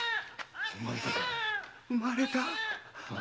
産まれた！